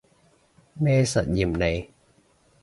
咩實驗嚟